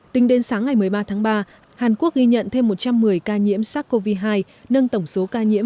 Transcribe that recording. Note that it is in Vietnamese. tính đến sáng ngày một mươi ba tháng ba hàn quốc ghi nhận thêm một trăm một mươi ca nhiễm sars cov hai nâng tổng số ca nhiễm